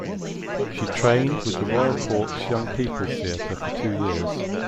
She trained with the Royal Court's Young People's Theatre for two years.